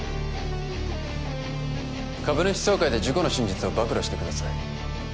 株主総会で事故の真実を暴露してください